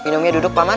minumnya duduk paman